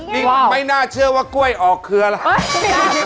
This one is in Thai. นี่ไม่น่าเชื่อว่ากล้วยออกคืออะไร